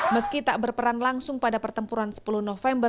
meski tak berperan langsung pada pertempuran sepuluh november